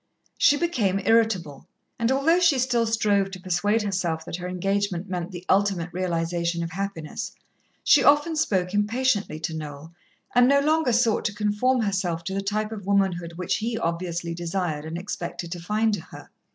She became irritable, and although she still strove to persuade herself that her engagement meant the ultimate realization of happiness, she often spoke impatiently to Noel, and no longer sought to conform herself to the type of womanhood which he obviously desired and expected to find her.